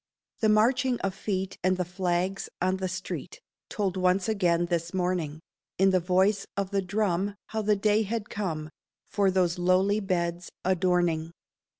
The marching of feet and the flags on the street Told once again this morning, In the voice of the drum how the day had come For those lowly beds' adorning.